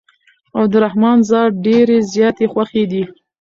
او د رحمن ذات ډېرې زياتي خوښې دي